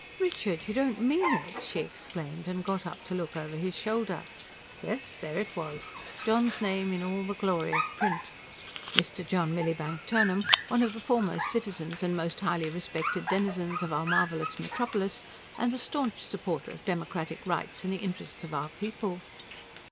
"Richard! You don't mean it!" she exclaimed, and got up to look over his shoulder. Yes, there it was John's name in all the glory of print. "Mr. John Millibank Turnham, one of the foremost citizens and most highly respected denizens of our marvellous metropolis, and a staunch supporter of democratic rights and the interests of our people."